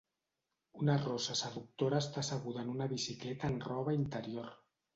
Una rossa seductora està asseguda en una bicicleta en roba interior.